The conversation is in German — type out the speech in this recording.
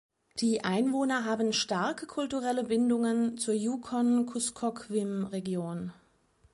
Die Einwohner haben starke kulturelle Bindungen zur Yukon-Kuskokwim Region.